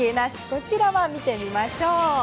こちらは見てみましょう。